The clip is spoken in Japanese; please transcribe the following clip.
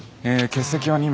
欠席は２名。